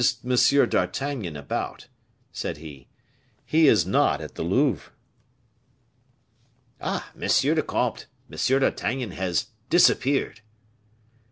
d'Artagnan about?" said he; "he is not at the Louvre." "Ah! monsieur le comte, Monsieur d'Artagnan has disappeared."